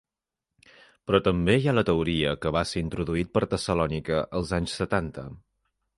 Però també hi ha la teoria que va ser introduït per Tessalònica els anys setanta.